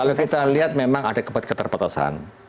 kalau kita lihat memang ada keterpetasan